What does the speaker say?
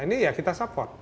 ini ya kita support